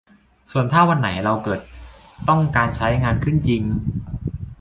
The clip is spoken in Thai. ส่วนถ้าวันไหนที่เราเกิดต้องการใช้งานขึ้นจริง